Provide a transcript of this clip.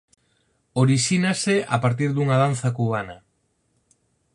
Orixínase a partir dunha danza cubana.